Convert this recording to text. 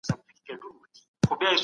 سم نیت باور نه ځنډوي.